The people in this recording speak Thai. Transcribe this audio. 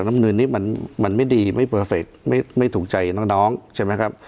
น้ำเงินนี้มันไม่ดีไม่เปอร์เฟคไม่ถูกใจน้องใช่ไหมครับ